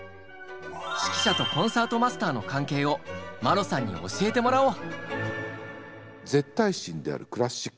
指揮者とコンサートマスターの関係をマロさんに教えてもらおう。